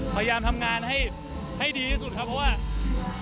พยายามทำงานให้ดีที่สุดครับเพราะว่า